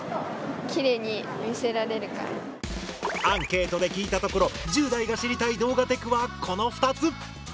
アンケートで聞いたところ１０代が知りたい動画テクはこの２つ！